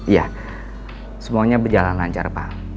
ya semuanya berjalan lancar pak